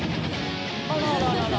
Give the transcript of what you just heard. あらららら。